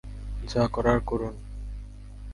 যা করার করুন!